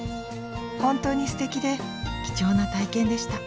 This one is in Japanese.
ホントにすてきで貴重な体験でした。